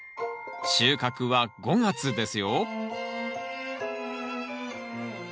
収穫は５月ですよ